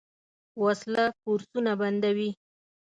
وسله کورسونه بندوي